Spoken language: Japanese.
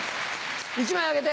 １枚あげて。